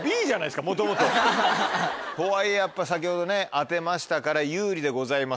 とはいえやっぱ先ほどね当てましたから有利でございます。